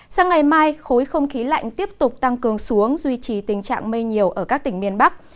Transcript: sang ngày mai khối không khí lạnh tiếp tục tăng cường xuống duy trì tình trạng mây nhiều ở các tỉnh miền bắc